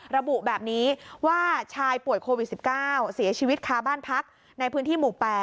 ระบุแบบนี้ว่าชายป่วยโควิด๑๙เสียชีวิตคาบ้านพักในพื้นที่หมู่๘